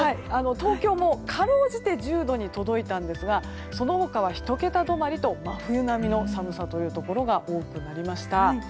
東京もかろうじて１０度に届いたんですがその他は１桁止まりと真冬並みの寒さというところが多くなりました。